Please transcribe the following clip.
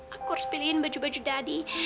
aku harus pilihin baju baju jadi